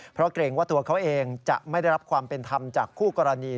เพราะเกรงว่าตัวเขาเองจะไม่ได้รับความเป็นธรรมจากคู่กรณี